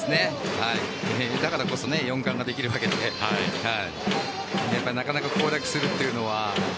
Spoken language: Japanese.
だからこそ４冠ができるわけでなかなか攻略するというのは。